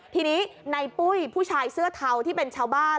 ทีนี้ในปุ้ยผู้ชายเสื้อเทาที่เป็นชาวบ้าน